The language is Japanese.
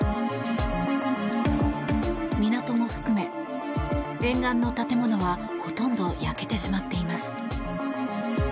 港も含め、沿岸の建物はほとんど焼けてしまっています。